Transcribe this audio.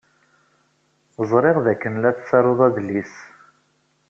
Ẓṛiɣ d akken la tettaruḍ adlis.